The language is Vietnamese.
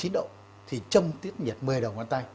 ba mươi chín độ thì trâm tuyết nhiệt mười đầu ngón tay